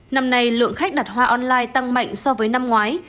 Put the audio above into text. năm nay lượng khách đặt hoa online tăng mạnh so với năm ngoái